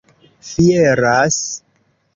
fieras